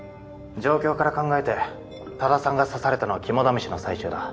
状況から考えて多田さんが刺されたのは肝試しの最中だ。